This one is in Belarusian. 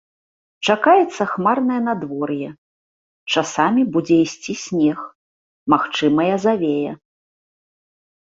Чакаецца хмарнае надвор'е, часамі будзе ісці снег, магчымая завея.